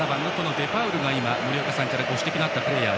デパウルが森岡さんからご指摘のあったプレーヤー。